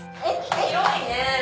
広いね。